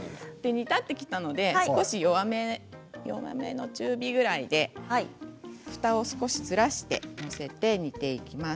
煮立ってきたので、少し弱めの中火ぐらいでふたを少しずらして煮ていきます。